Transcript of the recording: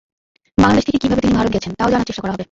বাংলাদেশ থেকে কীভাবে তিনি ভারত গেছেন তাও জানার চেষ্টা করা হবে।